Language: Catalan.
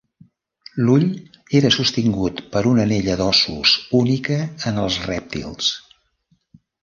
L'ull era sostingut per una anella d'ossos única en els rèptils.